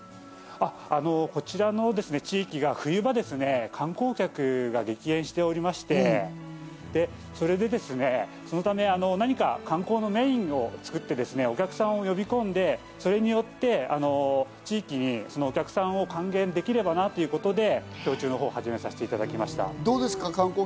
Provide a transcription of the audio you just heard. こちらの地域が冬場、観光客が激減しておりまして、そのため何か観光のメインを作って、お客さんを呼び込んで、それによって地域にお客さんを還元できればなということで氷柱のほうを始めさせていただきました。